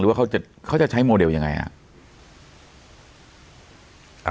หรือว่าเขาจะใช้โมเดลยังไงอ่ะ